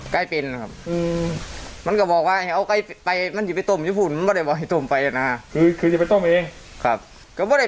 ไก่เป็นนะครับมันก็บอกว่าเอาไก่ไปมันจะไปต้มญี่ปุ่นมันก็ได้บอกจะต้มไปนะครับ